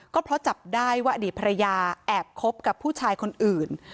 ก็เพราะจับได้ว่าอดีตภรรยาแอบคบกับผู้ชายคนอื่น